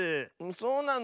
そうなの？